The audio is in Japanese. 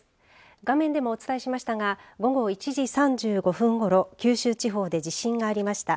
画面でもお伝えしましたが午後１時３５分ごろ九州地方で地震がありました。